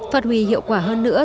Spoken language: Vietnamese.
phát huy hiệu quả hơn nữa